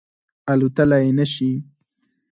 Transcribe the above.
الوتلای نه شي